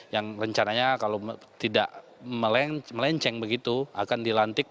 yang rencananya kalau tidak melenceng begitu akan dilantik